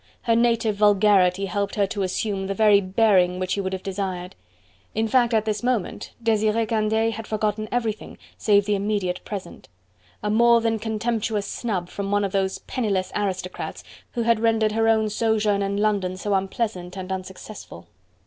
Her native vulgarity helped her to assume the very bearing which he would have desired. In fact, at this moment Desiree Candeille had forgotten everything save the immediate present: a more than contemptuous snub from one of those penniless aristocrats, who had rendered her own sojourn in London so unpleasant and unsuccessful.